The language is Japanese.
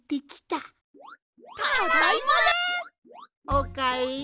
おかえり。